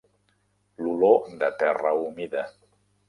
L’olor de terra humida.